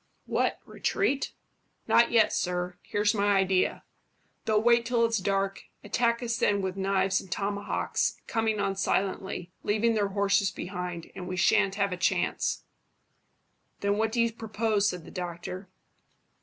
"What, retreat?" "Not yet, sir. Here's my idea. They'll wait till it's dark, attack us then with knives and tomahawks, coming on silently, leaving their horses behind, and we shan't have a chance." "Then what do you propose?" said the doctor.